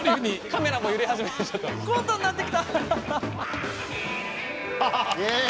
カメラも揺れ始めて。